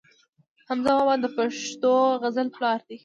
حمزه بابا د پښتو غزل پلار دی.